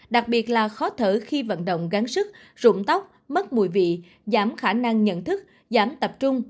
đặc biệt là khó thở khi vận động gắn sức rụng tóc mất mùi vị giảm khả năng nhận thức giảm tập trung